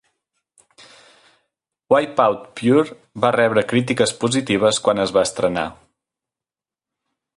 "Wipeout Pure" va rebre crítiques positives quan es va estrenar.